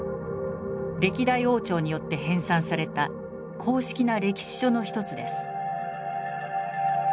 歴代王朝によって編纂された公式な歴史書の一つです。